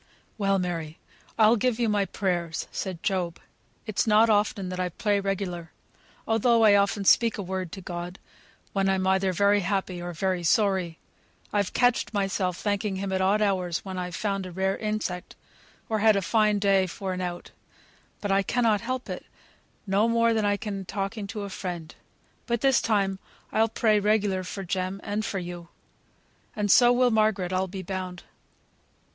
"Well, Mary! I'll give you my prayers," said Job. "It's not often I pray regular, though I often speak a word to God, when I'm either very happy or very sorry; I've catched myself thanking Him at odd hours when I've found a rare insect, or had a fine day for an out; but I cannot help it, no more than I can talking to a friend. But this time I'll pray regular for Jem, and for you. And so will Margaret, I'll be bound.